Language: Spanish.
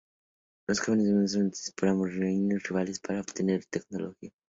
Los jóvenes humanos son utilizados por ambos reinos rivales para obtener tecnología.